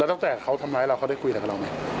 แล้วตั้งแต่เขาทำอะไรเขาได้คุยอะไรกับเราไหม